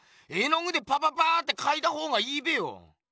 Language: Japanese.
絵の具でパパパってかいた方がいいべよ？